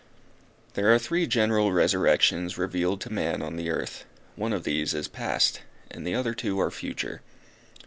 There are three general resurrections revealed to man on the earth; one of these is past, and the other two are future.